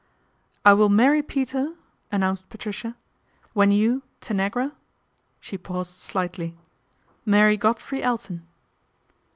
4 I will marry Peter," announced Patricia, " when you, Tanagra," she paused slightly, " marry Godfrey Elton."